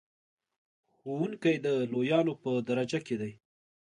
ښوونکی د لویانو په درجه کې دی.